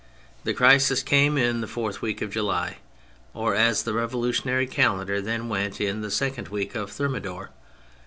The crisis came in the fourth week of July : or as the revolutionary calendar then went, in the second week of Thermidor.